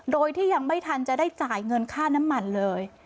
โดยที่ยังไม่ทันจะได้จ่ายเงินค่าน้ำมันเลย